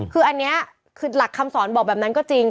คืออันนี้คือหลักคำสอนบอกแบบนั้นก็จริง